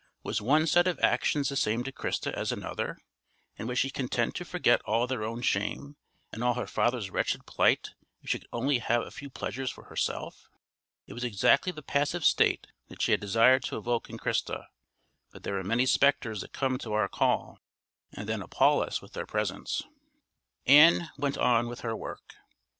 Was one set of actions the same to Christa as another? and was she content to forget all their own shame and all her father's wretched plight if she could only have a few pleasures for herself? It was exactly the passive state that she had desired to evoke in Christa; but there are many spectres that come to our call and then appal us with their presence! Ann went on with her work.